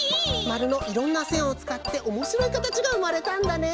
まるのいろんなせんをつかっておもしろいかたちがうまれたんだね！